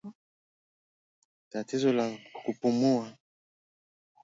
Tatizo la kupumua